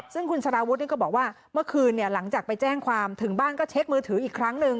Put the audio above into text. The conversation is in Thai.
ซึ่งคุณสารวุฒิก็บอกว่าเมื่อคืนหลังจากไปแจ้งความถึงบ้านก็เช็คมือถืออีกครั้งหนึ่ง